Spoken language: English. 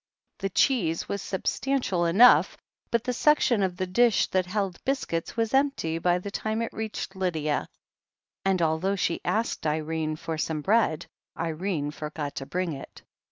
The cheese was substantial enough, but the section of the dish that held biscuits was empty by the time it reached Lydia, and although she asked Irene for some bread, Irene forgot to bring it.